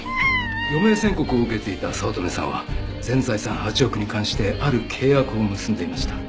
余命宣告を受けていた早乙女さんは全財産８億に関してある契約を結んでいました。